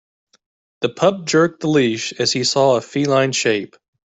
The pup jerked the leash as he saw a feline shape.